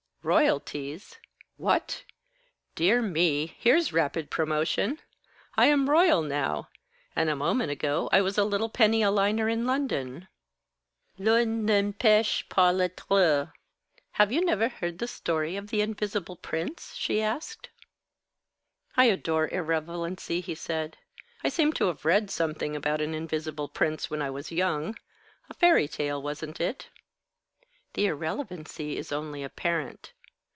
"Royalties? What? Dear me, here's rapid promotion! I am royal now! And a moment ago I was a little penny a liner in London." "L'un n'empêche pas l'autre. Have you never heard the story of the Invisible Prince?" she asked. "I adore irrelevancy," said he. "I seem to have read something about an invisible prince, when I was young. A fairy tale, wasn't it?" "The irrelevancy is only apparent.